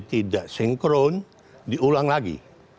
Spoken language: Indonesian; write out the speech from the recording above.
tidak sinkron diulang lagi